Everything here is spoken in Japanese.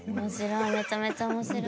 めちゃめちゃ面白い。